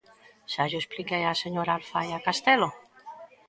Xa llo expliquei á señora Alfaia Castelo.